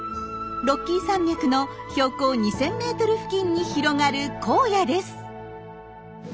ロッキー山脈の標高２，０００ｍ付近に広がる荒野です。